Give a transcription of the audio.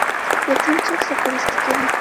یتیم څوک سرپرستي کوي؟